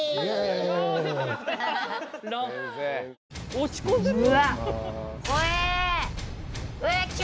落ち込んでるよ？